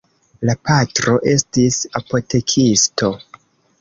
La patro estis apotekisto.